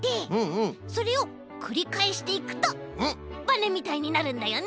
それをくりかえしていくとバネみたいになるんだよね。